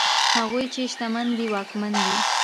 هغوی چې شتمن دي ځواکمن دي؛